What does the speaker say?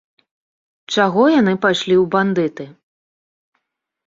Чаго яны пайшлі ў бандыты?